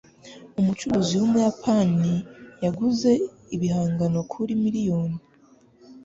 Umucuruzi wumuyapani yaguze ibihangano kuri miliyoni